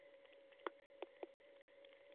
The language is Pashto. د اصلاحاتو په اړه خبرې روانې وې.